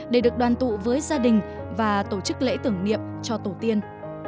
để được đoàn tụ với gia đình và tổ chức lễ tưởng niệm cho tổ tiên